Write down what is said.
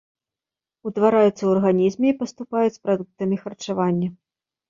Утвараюцца ў арганізме і паступаюць з прадуктамі харчавання.